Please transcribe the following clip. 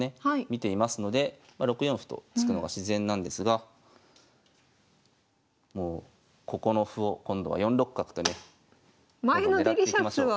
見ていますので６四歩と突くのが自然なんですがもうここの歩を今度は４六角とねどんどん狙っていきましょう。